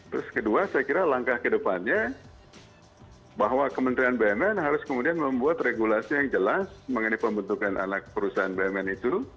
terus kedua saya kira langkah ke depannya bahwa kementerian bumn harus kemudian membuat regulasi yang jelas mengenai pembentukan anak perusahaan bumn itu